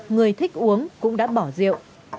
người thích uống cũng đã bỏ rượu